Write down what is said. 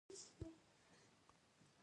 بدرنګه سترګې د دروغو ښکارندویي کوي